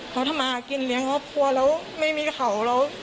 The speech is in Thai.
เขาทำมากินเลี้ยงครอบครัวแล้วไม่มีเขาแล้ว